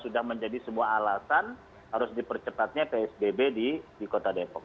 sudah menjadi sebuah alasan harus dipercepatnya psbb di kota depok